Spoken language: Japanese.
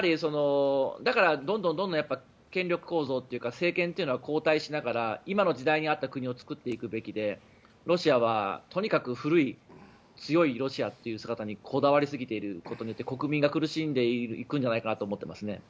だからどんどん権力構造というか政権というのは交代しながら今の時代に合った国を作っていくべきでロシアはとにかく古い強いロシアという姿にこだわりすぎていることによって国民が苦しんでいるんじゃないかと思いますね。